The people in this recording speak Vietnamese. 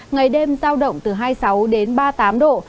ngày đêm giao động từ hai mươi sáu đến ba mươi tám độ